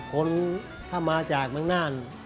คนถ้ามาจากเมืองน่าน